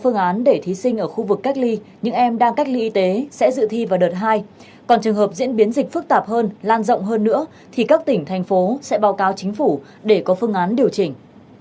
nếu không phức tạp hơn lan rộng hơn nữa thì các tỉnh thành phố sẽ báo cáo chính phủ để có phương án điều chỉnh